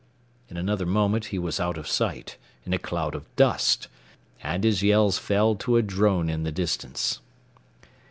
In another moment he was out of sight, in a cloud of dust, and his yells fell to a drone in the distance.